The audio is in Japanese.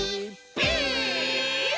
ピース！」